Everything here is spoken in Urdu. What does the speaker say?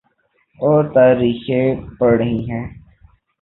اورتاریخیں پڑ رہی ہیں۔